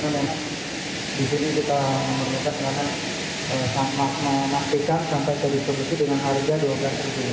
pihaknya bersama satgas pangan akan memotong mata rantai distribusi